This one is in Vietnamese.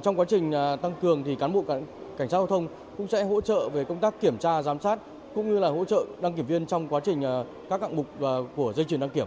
trong quá trình tăng cường cán bộ cảnh sát giao thông cũng sẽ hỗ trợ về công tác kiểm tra giám sát cũng như là hỗ trợ đăng kiểm viên trong quá trình các hạng mục của dây chuyển đăng kiểm